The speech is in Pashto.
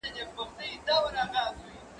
زه به خبري کړې وي!